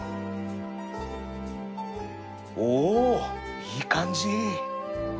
おおいい感じ